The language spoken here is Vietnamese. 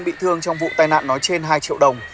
bị thương trong vụ tai nạn nói trên hai triệu đồng